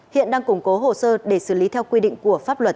hiện đang củng cố hồ sơ để xử lý theo quy định của pháp luật